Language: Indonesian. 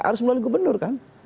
harus melalui gubernur kan